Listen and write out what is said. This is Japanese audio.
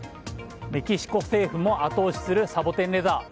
メキシコ政府も後押しするサボテンレザー。